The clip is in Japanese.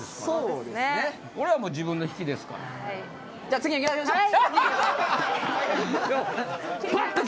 次いきましょう。